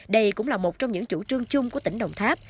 đây cũng là một trong những chủ trương chung của tỉnh đồng tháp